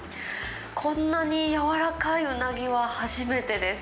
こんなに軟らかいうなぎは初めてです。